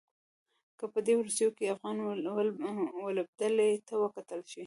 که په دې وروستيو کې افغان لوبډلې ته وکتل شي.